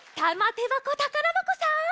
てばこたからばこさん